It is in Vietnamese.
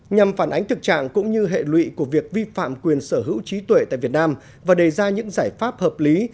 nhằm phản ánh thực trạng cũng như hệ lụy của việc vi phạm quyền sở hữu trí tuệ tại việt nam và đề ra những giải pháp hợp lý